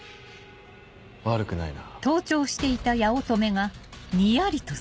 悪くないな。